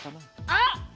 あっ！